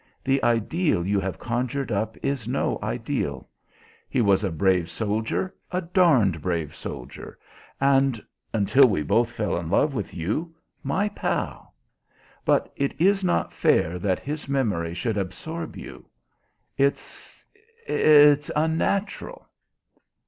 The ideal you have conjured up is no ideal. He was a brave soldier, a darned brave soldier, and until we both fell in love with you my pal. But it is not fair that his memory should absorb you. It's it's unnatural."